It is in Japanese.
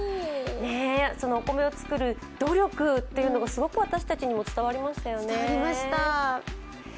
お米を作る努力というのがすごく私たちにも伝わりましたよね。